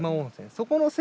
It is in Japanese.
そこのあ。